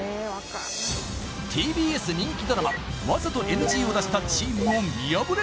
ＴＢＳ人気ドラマわざとＮＧを出したチームを見破れ！